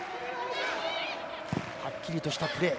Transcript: はっきりとしたプレー。